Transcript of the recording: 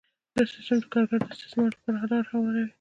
دا سیستم د کارګر د استثمار لپاره لاره هواروي